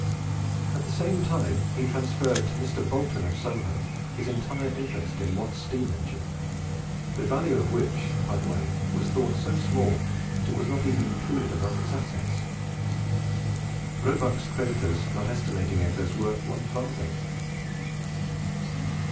At the same time, he transferred to Mr. Boulton of Soho his entire interest in Watt's steam engine, the value of which, by the way, was thought so small that it was not even included among the assets; Roebuck's creditors not estimating it as worth one farthing.